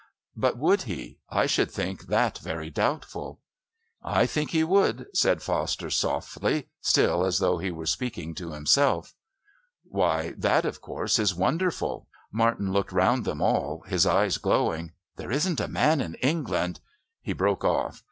But would he? I should think that very doubtful." "I think he would," said Foster softly, still as though he were speaking to himself. "Why, that, of course, is wonderful!" Martin looked round upon them all, his eyes glowing. "There isn't a man in England " He broke off.